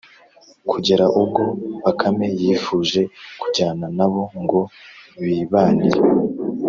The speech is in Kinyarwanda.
kugera ubwo bakame yifuje kujyana na bo ngo bibanire